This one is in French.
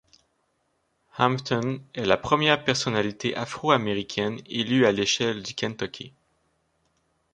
Hampton est la première personnalité afro-américaine élue à l'échelle du Kentucky.